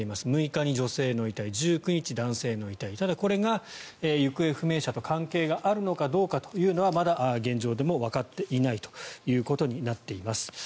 ６日に女性の遺体１９日、男性の遺体ただ、これが行方不明者と関係があるのかどうかというのはまだ現状でもわかっていないということになっています。